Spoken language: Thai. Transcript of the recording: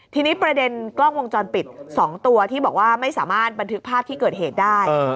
ทีนี้ประเด็นกล้องวงจรปิด๒ตัวที่บอกว่าไม่สามารถบันทึกภาพที่เกิดเหตุได้